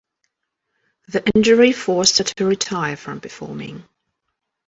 The injury forced her to retire from performing.